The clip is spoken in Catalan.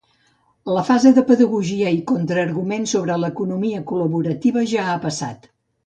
La fase de pedagogia i contra-arguments sobre l’economia col·laborativa ja ha passat.